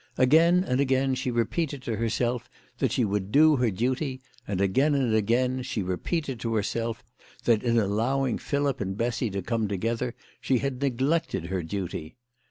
Again and again she repeated to herself that she would do her duty ; and again and again she repeated to herself that in allowing Philip and Bessy to come together she had neglected her duty.